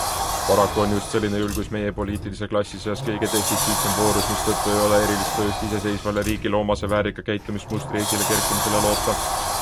Paraku on just selline julgus meie poliitilise klassi seas kõige defitsiitsem voorus, mistõttu ei ole erilist põhjust iseseisvale riigile omase väärika käitumismustri esilekerkimisele loota.